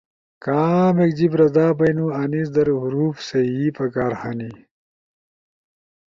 کامیک جیب رزا بینو انیس در حروف صحیح پکار ہنی،